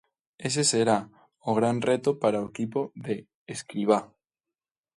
Ese será o gran reto para o equipo de Escribá.